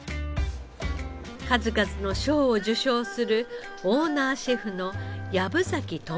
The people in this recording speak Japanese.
数々の賞を受賞するオーナーシェフの薮崎友宏さん。